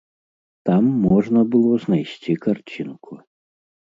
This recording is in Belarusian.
Там можна было знайсці карцінку.